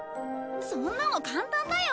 そんなの簡単だよ！